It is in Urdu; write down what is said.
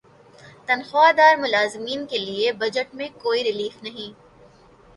تنخواہ دار ملازمین کے لیے بجٹ میں کوئی ریلیف نہیں